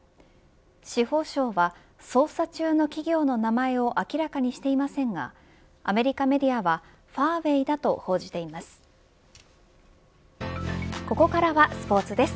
司法省は捜査中の企業の名前を明らかにしていませんがアメリカメディアはファーウェイだと報じています。